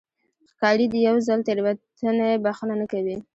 ښکاري د یو ځل تېروتنې بښنه نه کوي.